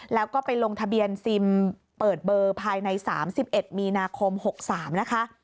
แล้วก็ไปลงทะเบียนซิมเปิดเบอร์ภายใน๓๑มีนาคม๖๓นะคะ